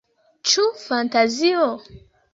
Ĉu fantazio?